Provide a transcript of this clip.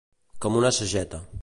Com una sageta.